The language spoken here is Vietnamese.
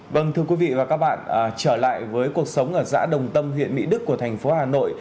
vâng thưa quý vị và các bạn trở lại với cuộc sống ở xã đồng tâm huyện mỹ đức của thành phố hà nội